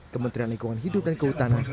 kementerian lingkungan hidup dan kehutanan